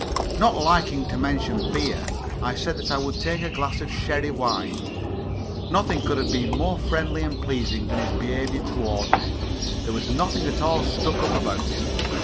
Not liking to mention beer, I said that I would take a glass of sherry wine. Nothing could have been more friendly and pleasing than his behaviour toward me; there was nothing at all stuck up about him.